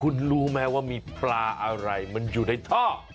คุณรู้ไหมว่ามีปลาอะไรมันอยู่ในท่อ